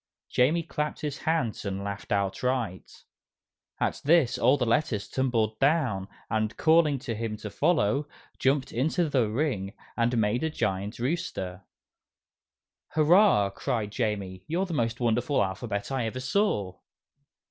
Jamie clapped his hands and laughed outright. At this, all the letters tumbled down, and, calling to him to follow, jumped into the ring and made a giant rooster. "Hurrah!" cried Jamie, "you're the most wonderful alphabet I ever saw!"